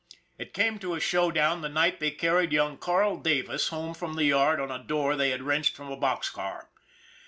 It came to a show down the night they carried young Carl Davis home from the yard on a door they had wrenched from a box car.